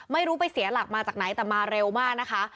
ไม่รู้ไปเสียหลักมาจากไหนแต่มาเร็วมากนะคะ